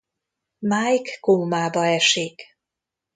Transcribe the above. Mike kómába esik.